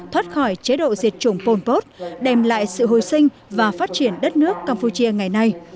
thoát khỏi chế độ diệt chủng pol pot đem lại sự hồi sinh và phát triển đất nước campuchia ngày nay